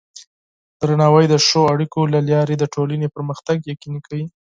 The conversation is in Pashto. درناوی د ښو اړیکو له لارې د ټولنې پرمختګ یقیني کوي.